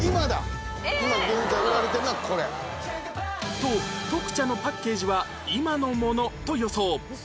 と特茶のパッケージは今のものと予想